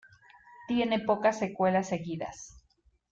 Tiene pocas secuelas seguidas.